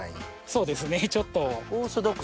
そうですねちょっと。